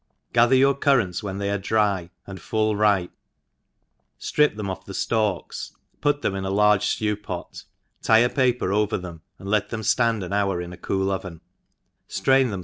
GATHER ybxxt currahts when they arc dry tod full ripe, ftripihemoffthc ftalks, put them , io a large ftew 'pot^ tie the paper over them, and let them ftand an hour in a cool oven, ft rain them.